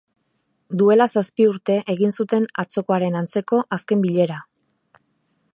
Duela zazpi urte egin zuten atzokoaren antzeko azken bilera.